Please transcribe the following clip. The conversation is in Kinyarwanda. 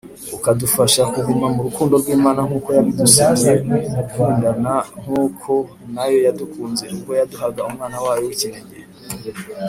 ukadufasha kuguma mu rukundo rw Imana nkuko yabidusbye ngodukundane nkuko nayo yadukunze ubwo yaduhaga umwana wayo wikinege.